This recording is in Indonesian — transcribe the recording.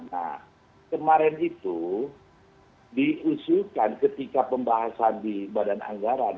nah kemarin itu diusulkan ketika pembahasan di badan anggaran